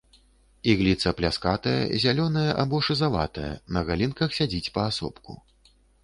Ігліца пляскатая, зялёная або шызаватая, на галінках сядзіць паасобку.